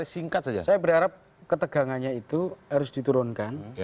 saya berharap ketegangannya itu harus diturunkan